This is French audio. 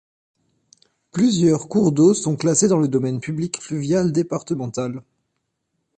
Plusieurs cours d'eau sont classés dans le domaine public fluvial départemental.